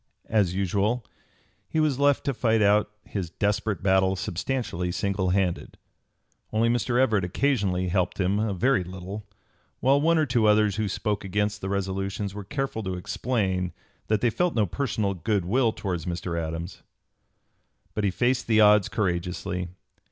As usual he was left to fight out his desperate battle substantially single handed. Only Mr. Everett occasionally helped him a very little; while one or two others who spoke against the resolutions were careful to explain that they felt no personal good will towards Mr. Adams. But he faced the odds courageously.